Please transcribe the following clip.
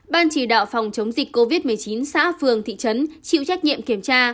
ban chỉ đạo phòng chống dịch covid một mươi chín xã phường thị trấn chịu trách nhiệm kiểm tra